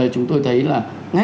chúng tôi thấy là